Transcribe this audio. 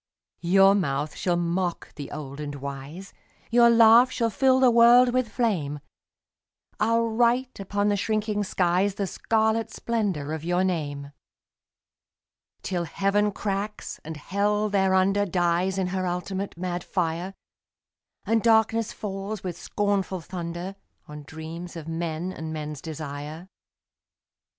Your mouth shall mock the old and wise, Your laugh shall fill the world with flame, I'll write upon the shrinking skies The scarlet splendour of your name, Till Heaven cracks, and Hell thereunder Dies in her ultimate mad fire, And darkness falls, with scornful thunder, On dreams of men and men's desire.